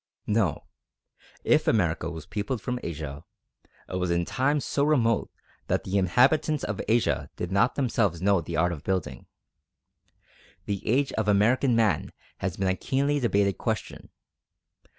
No; if America was peopled from Asia, it was in times so remote that the inhabitants of Asia did not themselves know the art of building. The age of American Man has been a keenly debated question.